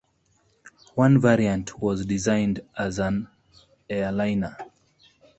One variant was designed as an airliner.